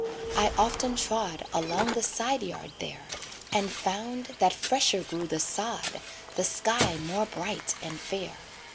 I often trod Along the side yard there; And found that fresher grew the sod, The sky more bright and fair.